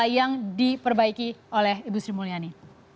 yang diperbaiki oleh ibu sri mulyani